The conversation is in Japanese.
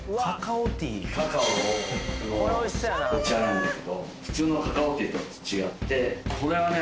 カカオのお茶なんだけど普通のカカオティーとは違ってこれはね